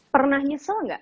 pernah nyesel gak